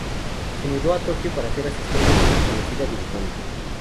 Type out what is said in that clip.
Se mudó a Tokio para ser asistente de una conocida dibujante.